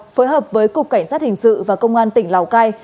phối hợp với cục cảnh sát hình sự và công an tỉnh lào cai